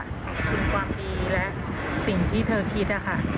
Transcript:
คิดความดีและสิ่งที่เธอคิดค่ะ